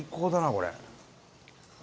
これ。